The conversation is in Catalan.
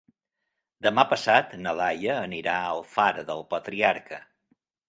Demà passat na Laia anirà a Alfara del Patriarca.